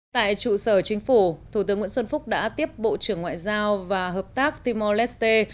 tại trụ sở chính phủ thủ tướng nguyễn xuân phúc đã tiếp bộ trưởng ngoại giao và hợp tác timor leste